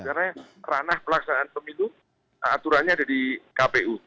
karena ranah pelaksanaan pemilu aturannya ada di kpu